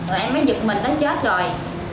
rồi em mới giựt mình tới chết rồi